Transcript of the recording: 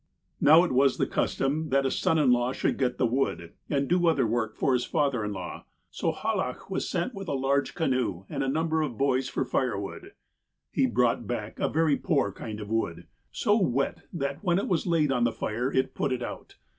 "Now, it was the custom that a son in law should get the wood, and do other work for his father in law, so Hallach was sent with a large canoe, and a number of boys, for fire wood. '' He brought back a very poor kind of wood ; so wet that, when it was laid on the fire, it put it out.